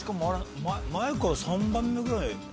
前から３番目ぐらい。